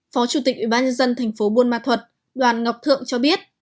phó chủ tịch ủy ban nhân dân thành phố buôn ma thuật đoàn ngọc thượng cho biết